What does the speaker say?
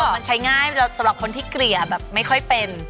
มันใช้ง่ายสำหรับคนที่เกลี่ยแบบไม่ค่อยเป็น